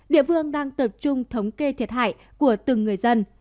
địa phương đang tập trung thống kê thiệt hại của từng người dân